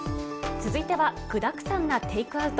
続いては、具だくさんなテイクアウト。